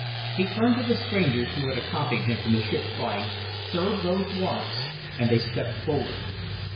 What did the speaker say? He turned to the strangers who had accompanied him from the ship, crying, "Serve those warrants," and they stepped forward.